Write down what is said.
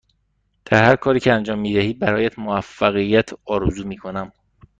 در هرکاری که انجام می دهی برایت موفقیت آرزو می کنم.